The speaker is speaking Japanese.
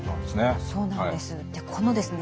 そうなんです。